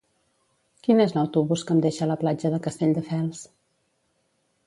Quin és l'autobús que em deixa a la platja de Castelldefels?